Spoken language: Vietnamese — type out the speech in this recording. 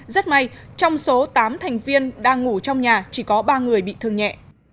rất may trong số tám thành viên đang ngủ trong nhà chỉ có ba người bị thương nhẹ